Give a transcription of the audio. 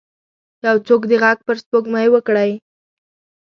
یو څوک دې ږغ پر سپوږمۍ وکړئ